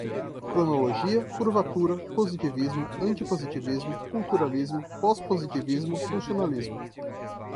cronologia, curvatura, positivismo, antipositivismo, culturalismo, pós-positivismo, funcionalismo